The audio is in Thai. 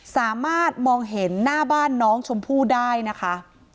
สามารถมองเห็นหน้าบ้านน้องชมพู่ได้นะคะ